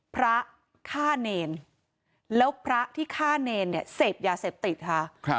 พระฆ่าเนรแล้วพระที่ฆ่าเนรเนี่ยเสพยาเสพติดค่ะ